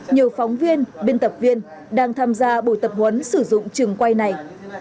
nhiều phóng viên biên tập viên đang tham gia buổi tập huấn sử dụng trường quay này